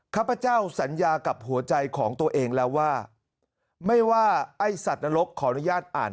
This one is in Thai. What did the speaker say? ข้าพเจ้าสัญญากับหัวใจของตัวเองแล้วว่าไม่ว่าไอ้สัตว์นรกขออนุญาตอ่าน